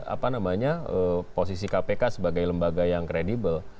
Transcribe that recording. apa namanya posisi kpk sebagai lembaga yang kredibel